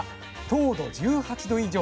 糖度１８度以上。